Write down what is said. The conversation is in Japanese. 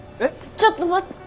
ちょっと待っ。